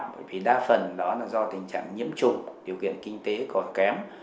bởi vì đa phần đó là do tình trạng nhiễm trùng điều kiện kinh tế còn kém